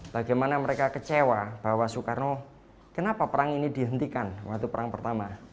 bagaimana mereka kecewa bahwa soekarno kenapa perang ini dihentikan waktu perang pertama